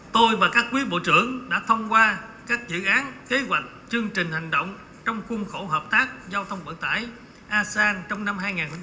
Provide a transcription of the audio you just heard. tôi và các quý bộ trưởng đã thông qua các dự án kế hoạch chương trình hành động trong khuôn khổ hợp tác giao thông vận tải asean trong năm hai nghìn hai mươi